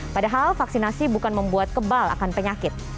padahal vaksinasi bukan membuat kebal akan penyakit